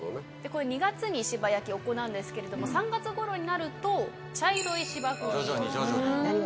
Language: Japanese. これ２月に芝焼き行うんですけれども３月頃になると茶色い芝生になります。